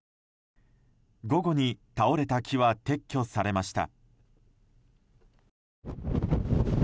午後に倒れた木は撤去されました。